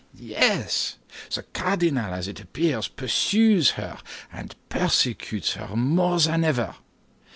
"Yes. The cardinal, as it appears, pursues her and persecutes her more than ever.